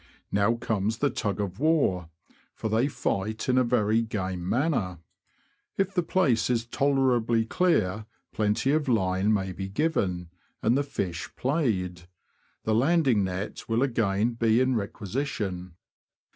Now comes the tug of war, for they fight in a very game 284 THE LAND OF THE BROADS. manner; if the place is tolerably clear plenty of line may be given, and the fish played. The landing net will again be in requisition.